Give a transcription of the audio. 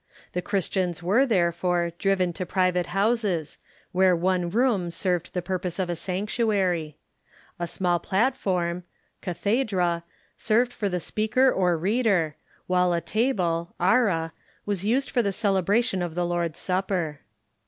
The Christians were, therefore, driven to pri vate houses, where one room served the purpose of a sanctuary. A small platform {cathedra) served for the speaker or reader, Avhile a table {ara) was used for the celebration of the Lord's Supper.